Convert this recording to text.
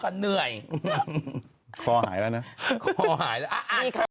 ดูเสื้อหน่อยข้างใน